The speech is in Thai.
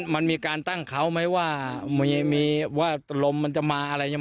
มันมีการตั้งเขาไหมว่าลมมันจะมาอะไรยังไง